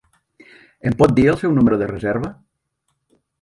Em pot dir el seu número de reserva?